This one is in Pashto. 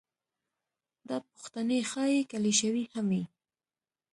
دا پوښتنې ښايي کلیشوي هم وي.